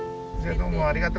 どうもありがとう。